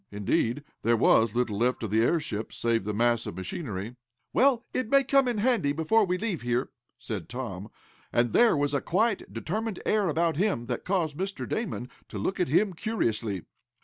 Indeed, there was little left of the airship, save the mass of machinery. "Well, it may come in handy before we leave here," said Tom, and there was a quiet determined air about him, that caused Mr. Damon to look at him curiously.